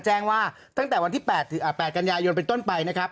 แจ้งว่าตั้งแต่วันที่๘กันยายนเป็นต้นไปนะครับ